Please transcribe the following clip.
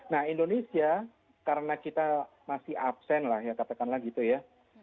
nah indonesia karena kita masih absen lah ya katakanlah gitu ya